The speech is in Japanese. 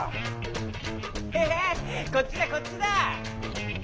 ヘヘッこっちだこっちだ！